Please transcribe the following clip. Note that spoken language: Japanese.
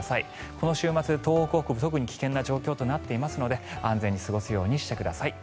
この週末、東北北部特に危険な状況となっていますので安全に過ごすようにしてください。